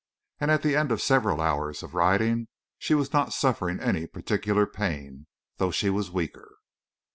And at the end of several hours of riding she was not suffering any particular pain, though she was weaker.